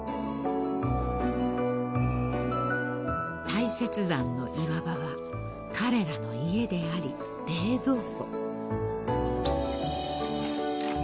［大雪山の岩場は彼らの家であり冷蔵庫］